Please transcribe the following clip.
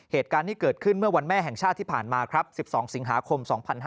เหตุการณ์ที่เกิดขึ้นเมื่อวันแม่แห่งชาติที่ผ่านมาครับ๑๒สิงหาคม๒๕๕๙